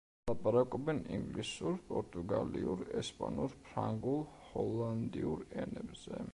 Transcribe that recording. ლაპარაკობენ ინგლისურ, პორტუგალიურ, ესპანურ, ფრანგულ, ჰოლანდიურ ენებზე.